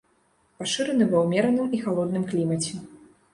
Пашыраны ва ўмераным і халодным клімаце.